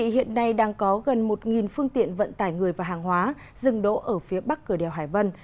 hiện nay đang có gần một phương tiện vận tải người và hàng hóa dừng đỗ ở phía bắc cửa đèo hải vân